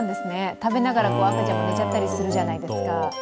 食べながら赤ちゃんも寝ちゃったりするじゃないですか。